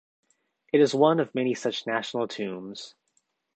It is one of many such national tombs.